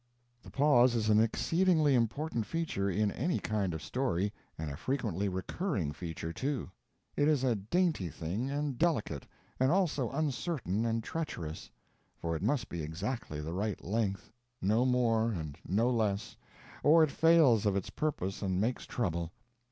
The pause is an exceedingly important feature in any kind of story, and a frequently recurring feature, too. It is a dainty thing, and delicate, and also uncertain and treacherous; for it must be exactly the right length no more and no less or it fails of its purpose and makes trouble.